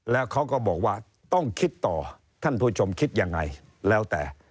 แล้วเขาก็บอกว่าต้องคิดต่อท่านผู้ชมคิดยังไงแล้วแต่